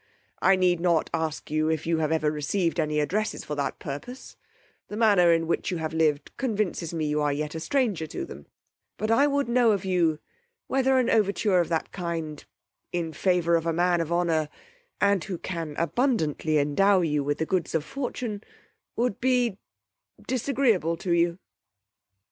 I need not ask you if you have ever received any addresses for that purpose; the manner in which you have lived convinces me you are yet a stranger to them; but I would know of you whether an overture of that kind, in favour of a man of honour, and who can abundantly endow you with the goods of fortune, would be disagreeable to you.